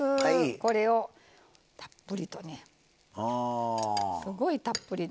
これをたっぷりとすごいたっぷり。